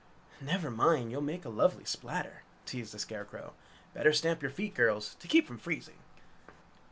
"Never mind, you'll make a lovely splatter!" teased the Scarecrow. "Better stamp your feet, girls, to keep from freezing!"